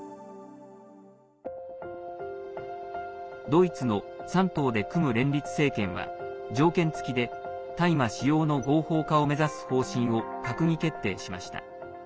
ドイツの３党で組む連立政権は条件付きで大麻使用の合法化を目指す方針を閣議決定しました。